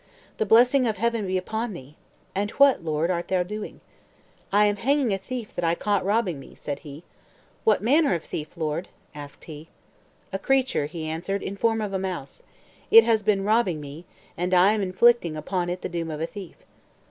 "The blessing of Heaven be upon thee! And what, lord, art thou doing?" "I am hanging a thief that I caught robbing me," said he. "What manner of thief, lord?" asked he. "A creature," he answered, "in form of a mouse. It has been robbing me, and I am inflicting upon it the doom of a thief."